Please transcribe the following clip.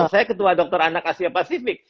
saya ketua dokter anak asia pasifik